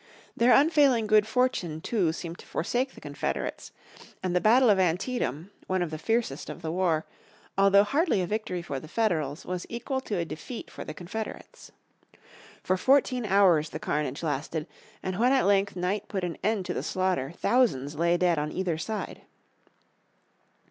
Their unfailing good fortune, too, seemed to forsake the Confederates, and the battle of Antietam, one of the fiercest of the war, although hardly a victory for the Federals, was equal to a defeat for the Confederates. For fourteen hours the carnage lasted, and when at length night put an end to the slaughter thousands lay dead on either side.